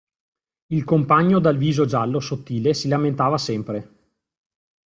Il compagno dal viso giallo sottile si lamentava sempre.